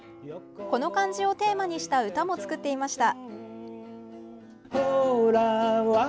この漢字をテーマにした歌も作っていました。